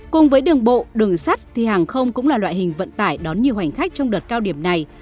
cùng với đường bộ đường sắt thì hàng không cũng là loại hình vận tải đón nhiều hành khách trong đợt cao điểm này